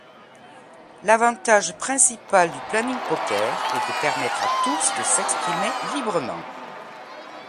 L'avantage principal du planning poker est de permettre à tous de s'exprimer librement.